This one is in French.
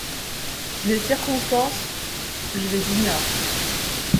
Les circonstances … je les ignore.